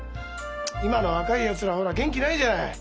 今の若いやつらほら元気ないじゃない。